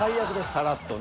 さらっとね。